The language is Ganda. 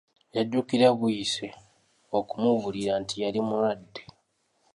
Yajjukira buyise okumubuulira nti yali mulwadde.